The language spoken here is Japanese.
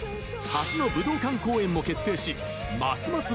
初の武道館公演も決定します